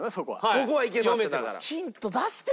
ここはいけましただから。